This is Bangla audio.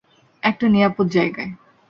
একটা নিরাপদ জায়গায়।